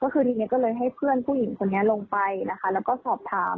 ก็คือทีนี้ก็เลยให้เพื่อนผู้หญิงคนนี้ลงไปนะคะแล้วก็สอบถาม